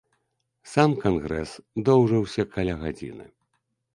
Сам кангрэс доўжыўся каля гадзіны.